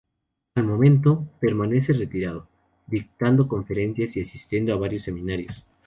Al momento, permanece retirado, dictando conferencias y asistiendo a varios seminarios.